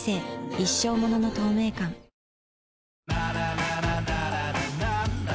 一生ものの透明感男性）